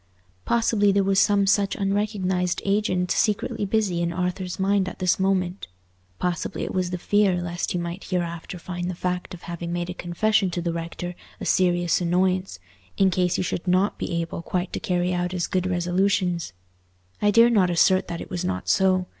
Possibly there was some such unrecognized agent secretly busy in Arthur's mind at this moment—possibly it was the fear lest he might hereafter find the fact of having made a confession to the rector a serious annoyance, in case he should not be able quite to carry out his good resolutions? I dare not assert that it was not so.